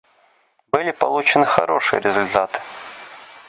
Были получены хорошие результаты.